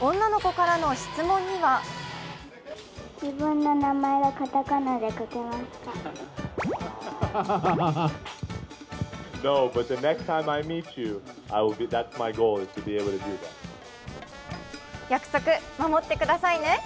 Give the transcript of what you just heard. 女の子からの質問には約束、守ってくださいね。